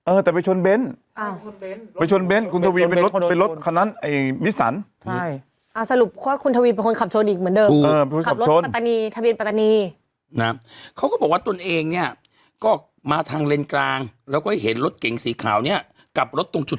เออแต่ไปชนเบนอ้าวไปชนเบนคุณทวีไปรถไปรถคันนั้นไอ้วิสันใช่